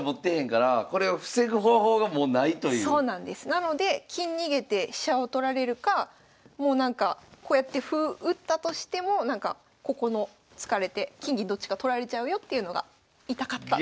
なので金逃げて飛車を取られるかもうなんかこうやって歩打ったとしてもここの突かれて金銀どっちか取られちゃうよっていうのが痛かった。